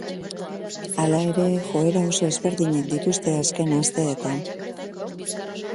Hala ere, joera oso ezberdinak dituzte azken asteetan.